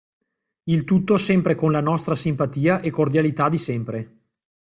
Il tutto sempre con la nostra simpatia e cordialità di sempre!